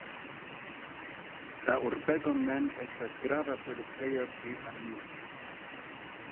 La urbego mem estas grava produktejo pri armiloj.